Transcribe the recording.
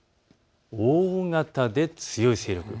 大型で強い勢力。